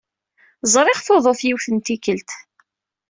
Ẓriɣ tuḍut yiwet n tikkelt.